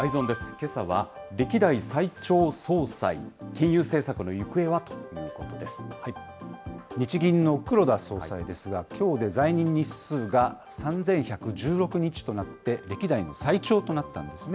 けさは歴代最長総裁、金融政策の行方は日銀の黒田総裁ですが、きょうで在任日数が３１１６日となって、歴代の最長となったんですね。